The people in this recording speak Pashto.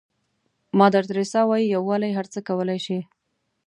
مادر تریسا وایي یووالی هر څه کولای شي.